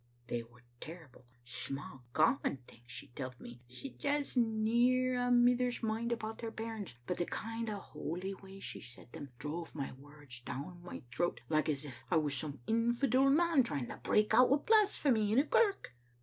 ' They were ter rible sma', common things she tolled me, sic as near a' mithers minds about their bairns, but the kind o* holy way she said them drove my words down my throat, like as if I was some infidel man trying to break out wi' blasphemy in a kirk.